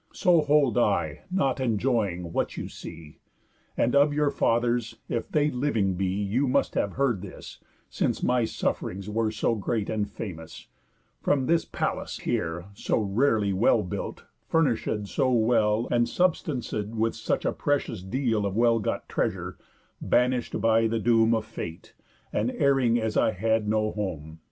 So hold I, not enjoying, what you see. And of your fathers, if they living be, You must have heard this, since my suff'rings were So great and famous; from this palace here (So rarely well built, furnishéd so well, And substancéd with such a precious deal Of well got treasure) banish'd by the doom Of Fate, and erring as I had no home.